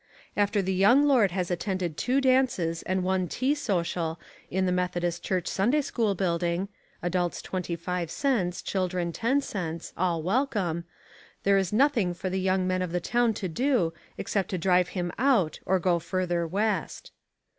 After the young Lord has attended two dances and one tea social in the Methodist Church Sunday School Building (Adults 25 cents, children 10 cents all welcome.) there is nothing for the young men of the town to do except to drive him out or go further west.